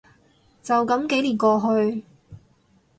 就噉幾年過去